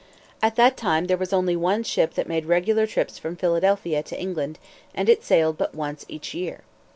At that time there was only one ship that made regular trips from Philadelphia to England, and it sailed but once each year.